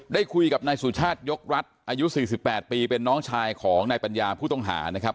ได้คุยกับนายสุชาติยกรัฐอายุ๔๘ปีเป็นน้องชายของนายปัญญาผู้ต้องหานะครับ